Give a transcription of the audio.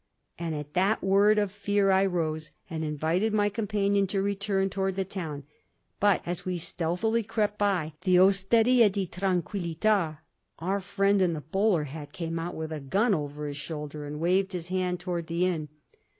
And at that word of fear I rose and invited my companion to return toward the town. But as we stealthy crept by the "Osteria di Tranquillita," our friend in the bowler hat came out with a gun over his shoulder and waved his hand toward the Inn.